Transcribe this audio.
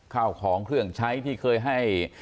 ข้าวของเครื่องใช้ที่เคยให้